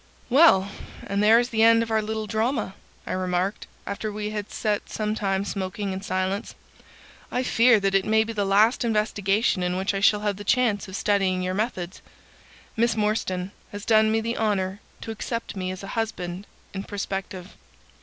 "Well, and there is the end of our little drama," I remarked, after we had set some time smoking in silence. "I fear that it may be the last investigation in which I shall have the chance of studying your methods. Miss Morstan has done me the honour to accept me as a husband in prospective."